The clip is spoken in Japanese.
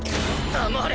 黙れ！